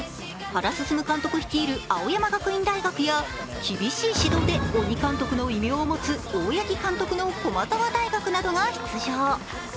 原晋監督率いる青山学院大学や厳しい指導で鬼監督の異名を持つ大八木監督の駒沢大学などが出場。